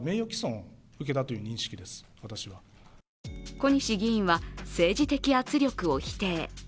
小西議員は政治的圧力を否定。